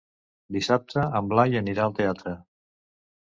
Dissabte en Blai anirà al teatre.